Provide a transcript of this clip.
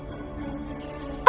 apa yang akan kulakukan